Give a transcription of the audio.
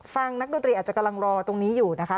นักดนตรีอาจจะกำลังรอตรงนี้อยู่นะคะ